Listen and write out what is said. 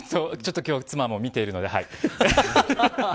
ちょっと今日妻も見ているのではい。